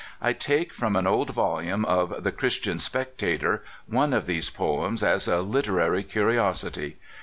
I take from an old volume of the Christian Spectator one of these poems as a literar}" curiosity.